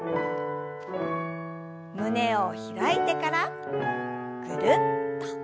胸を開いてからぐるっと。